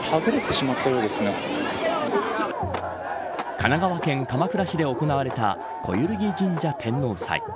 神奈川県鎌倉市で行われた小動神社天王祭。